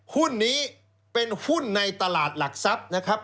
หุ้นนี้เป็นหุ้นในตลาดหลักทรัพย์นะครับ